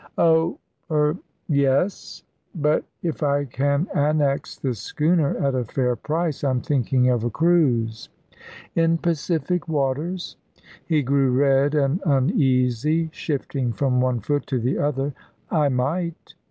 "Oh er yes. But if I can annex this schooner at a fair price, I'm thinking of a cruise." "In Pacific waters?" He grew red and uneasy, shifting from one foot to the other. "I might."